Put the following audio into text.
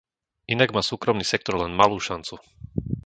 Inak má súkromný sektor len malú šancu.